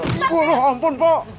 jangan gua aja lo